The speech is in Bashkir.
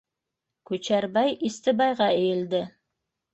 Күчәрбай Истебайға эйелде.